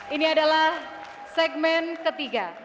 ini adalah segmen ketiga